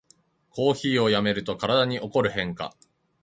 コーヒーをやめると体に起こる変化